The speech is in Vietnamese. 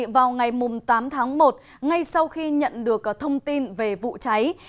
vào ngày tám tháng một ngay sau khi nhận được thông tin về vụ cháy